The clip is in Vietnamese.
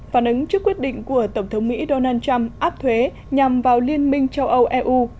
phản ứng trước quyết định của tổng thống mỹ donald trump áp thuế nhằm vào liên minh châu âu eu